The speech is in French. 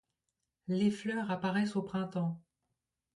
Les fleurs apparaissent au printemps.